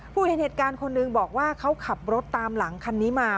เห็นเหตุการณ์คนหนึ่งบอกว่าเขาขับรถตามหลังคันนี้มา